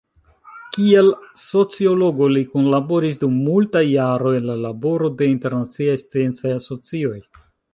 Kiel sociologo, li kunlaboris dum multaj jaroj en la laboro de internaciaj sciencaj asocioj.